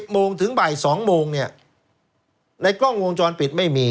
โมงถึงบ่าย๒โมงเนี่ยในกล้องวงจรปิดไม่มี